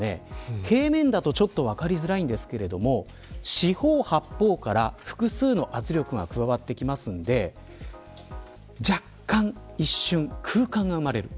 平面だと分かりづらいですが四方八方から複数の圧力が加わってくるので一瞬、空間が生まれます。